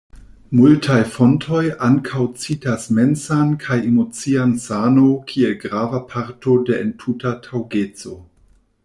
Multaj fontoj ankaŭ citas mensan kaj emocian sano kiel grava parto de entuta taŭgeco.